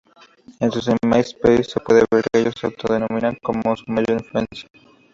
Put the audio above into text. En su myspace se puede ver que ellos se autodenominan como su mayor influencia.